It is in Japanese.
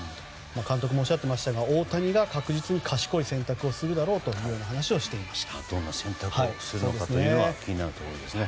監督もおっしゃっていましたが大谷が賢い選択をするだろうとどんな選択をするのか気になるところですね。